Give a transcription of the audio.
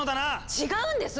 違うんです！